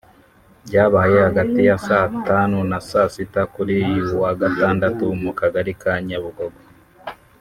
Byabaye hagati ya saa tanu na saa sita kuri uyu wa Gatandatu mu kagari ka Nyabugogo